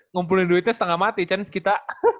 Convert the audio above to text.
ngumpulin duitnya setengah mati chan kita